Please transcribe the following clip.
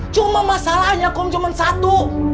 cuma masalahnya kom cuma satu